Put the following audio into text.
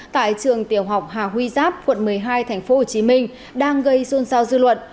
tại trường tiểu học hà huy giáp quận một mươi hai tp hcm đang gây xôn xao dư luận